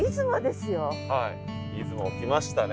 出雲来ましたね。